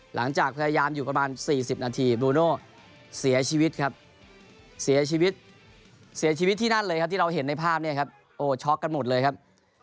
หลังจากพยายามอยู่ประมาณ๔๐นาทีบลูโน่เสียชีวิตครับเสียชีวิตเสียชีวิตที่นั่นเลยครับที่เราเห็นในภาพเนี่ยครับโอ้ช็อกกันหมดเลยครับ